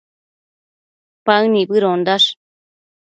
Paë nibëdondash